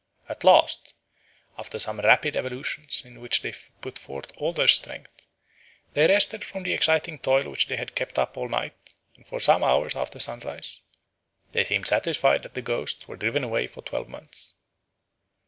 ... At last, after some rapid evolutions in which they put forth all their strength, they rested from the exciting toil which they had kept up all night and for some hours after sunrise; they seemed satisfied that the ghosts were driven away for twelve months.